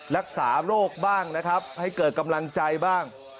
รักษาโรคบ้างนะครับให้เกิดกำลังใจบ้าง